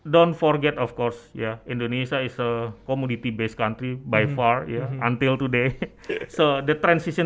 dalam ekonomi indonesia jadi itu akan sangat berbahaya di indonesia